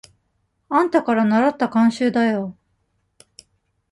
あんたからならった慣習だよ。